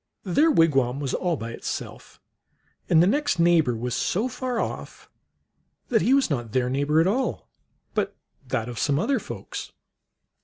Their wigwam was all by itself, and the next neighbor was so far off that he w r as not their neighbor at all, but that of some other folks.